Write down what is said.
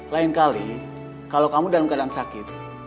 lain kali kalau kamu dalam keadaan sakit